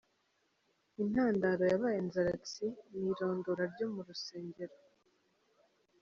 Intandaro yabaye inzaratsi ni irondora ryo mu rusengero.